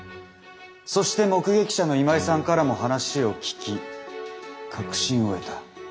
そして目撃者の今井さんからも話を聞き確信を得た。